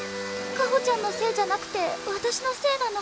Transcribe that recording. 香穂ちゃんのせいじゃなくて私のせいなの。